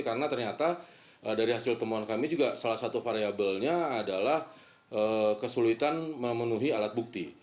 karena ternyata dari hasil temuan kami juga salah satu variabelnya adalah kesulitan memenuhi alat bukti